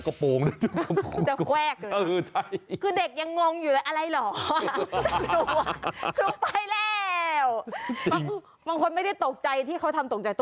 ครูบอกหลับตาก่อนแล้วค่อยหลุดตา